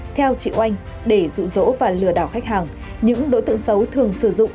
theo chị oanh để rụ rỗ và lừa đảo khách hàng những đối tượng xấu thường sử dụng